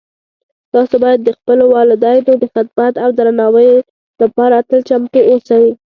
تاسو باید د خپلو والدینو د خدمت او درناوۍ لپاره تل چمتو اوسئ